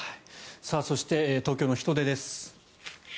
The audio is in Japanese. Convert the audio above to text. そして、東京の人出です。